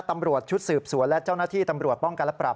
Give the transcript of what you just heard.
ตำรวจชุดสืบสวนและเจ้าหน้าที่ตำรวจป้องกันและปรับ